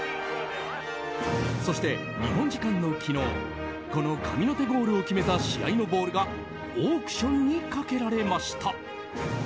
そして、日本時間の昨日この神の手ゴールを決めた試合のボールがオークションにかけられました。